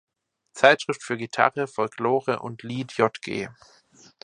Zeitschrift für Gitarre, Folklore und Lied Jg.